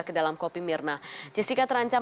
ke dalam kopi mirna jessica terancam